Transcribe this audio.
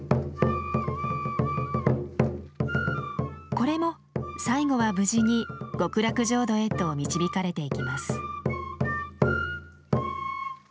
これも最後は無事に極楽浄土へと導かれていきます。